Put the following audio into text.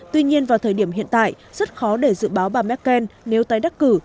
tuy nhiên vào thời điểm hiện tại rất khó để dự báo bà merkel nếu tái đắc cử